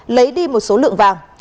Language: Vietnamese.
lấy đi một số lượng vàng